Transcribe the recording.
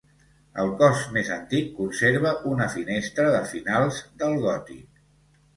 El cos més antic conserva una finestra de finals del gòtic.